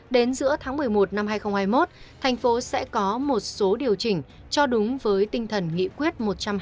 đến giữa tháng một mươi một năm hai nghìn hai mươi một thành phố sẽ có một số điều chỉnh cho đúng với tinh thần nghị quyết một trăm hai mươi